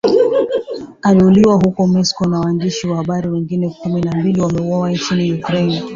aliuliwa huko Mexico na waandishi wa habari wengine kumi na mbili wameuawa nchini Ukraine